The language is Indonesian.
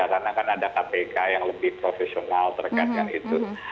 karena kan ada kpk yang lebih profesional terkaitkan itu